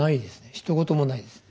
ひと言もないです。